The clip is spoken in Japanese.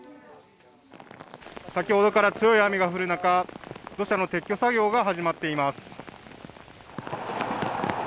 先ほどから強い雨が降る中、土砂の撤去作業が始まっています。